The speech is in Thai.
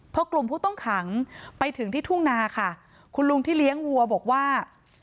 พอกลุ่มผู้ต้องขังไปถึงที่ทุ่งนาค่ะคุณลุงที่เลี้ยงวัวบอกว่า